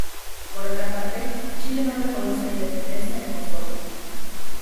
Por otra parte, Chile no reconoce la independencia de Kosovo.